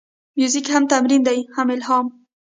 موزیک هم تمرین دی، هم الهام.